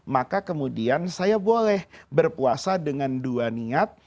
maka kemudian saya boleh berpuasa dengan dua niat